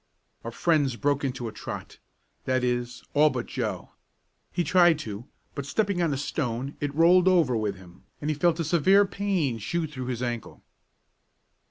Our friends broke into a trot that is, all but Joe. He tried to, but stepping on a stone it rolled over with him, and he felt a severe pain shoot through his ankle.